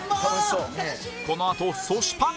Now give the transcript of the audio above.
このあとそしパン！